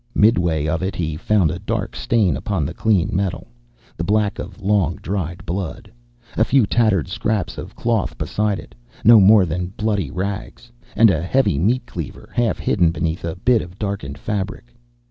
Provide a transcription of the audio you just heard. Midway of it he found a dark stain upon the clean metal. The black of long dried blood. A few tattered scraps of cloth beside it. No more than bloody rags. And a heavy meat cleaver, half hidden beneath a bit of darkened fabric.